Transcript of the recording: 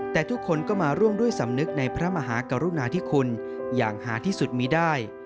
แต่ทุกคนก็มาร่วมด้วยสำนึกในพระมหากรุณาธิคุณอย่างหาที่สุดมีได้